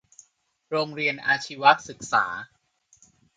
โรงเรียนอาชีวศึกษา